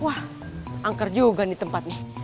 wah angker juga nih tempat nih